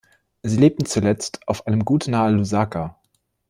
Sie lebten zuletzt auf einem Gut nahe Lusaka.